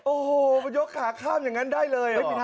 โอ้โหมันยกขาข้ามอย่างนั้นได้เลย